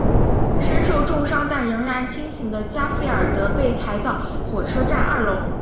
身受重伤但仍然清醒的加菲尔德被抬到火车站二楼。